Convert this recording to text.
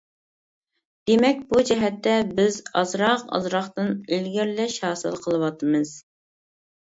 دېمەك، بۇ جەھەتتە بىز ئازراق-ئازراقتىن ئىلگىرىلەش ھاسىل قىلىۋاتىمىز.